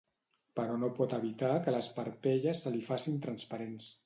Però no pot evitar que les parpelles se li facin transparents.